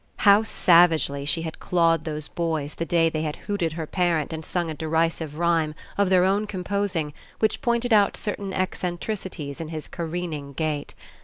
How savagely she had clawed those boys the day they had hooted her parent and sung a derisive rhyme, of their own com posing, which pointed out certain eccentricities in his careening gait!